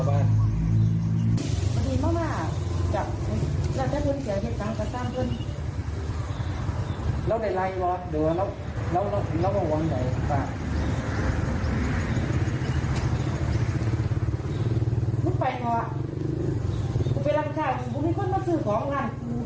กูไปรับชาร์จกูคุณได้เข้ามาสื่อของอะ